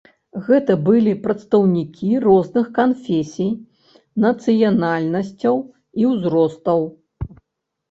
Гэта былі прадстаўнікі розных канфесій, нацыянальнасцяў і узростаў.